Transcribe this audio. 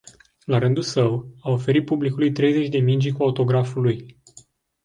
La rândul său, a oferit publicului treizeci de mingi cu autograful lui.